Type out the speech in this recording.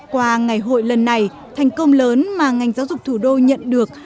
qua ngày hội lần này thành công lớn mà ngành giáo dục thủ đô nhận được